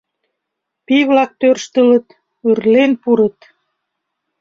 Пий-влак тӧрштылыт, ырлен пурыт.